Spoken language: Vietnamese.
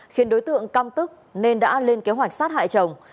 khiến đối tượng cam tức nên đã lên kế hoạch sát hại chồng